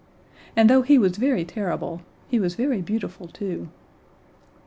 And though he was very terrible he was very beautiful too.